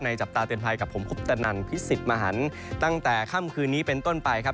จับตาเตือนภัยกับผมคุปตนันพิสิทธิ์มหันตั้งแต่ค่ำคืนนี้เป็นต้นไปครับ